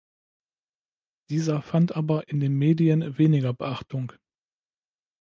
Dieser fand aber in den Medien weniger Beachtung.